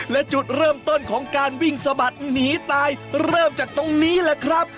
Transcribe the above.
และจุดเริ่มต้นของการวิ่งสะบัดหนีตายเริ่มจากตรงนี้แหละครับ